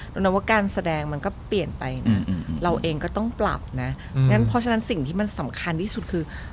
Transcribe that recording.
เรานับว่าการแสดงมันก็เปลี่ยนไปนะเราเองก็ต้องปรับนะงั้นเพราะฉะนั้นสิ่งที่มันสำคัญที่สุดคือ